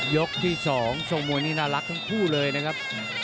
ยกที่๒ทรงมวยนี่น่ารักทั้งคู่เลยนะครับ